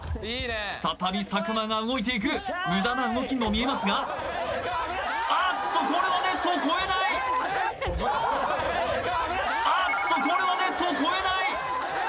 再び佐久間が動いていく無駄な動きにも見えますがあっとこれはネットを越えないあっとこれはネットを越えないＳｎｏｗＭａｎ